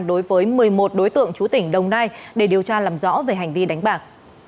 đối với một mươi một đối tượng chú tỉnh đồng nai để điều tra làm rõ về hành vi đánh bạc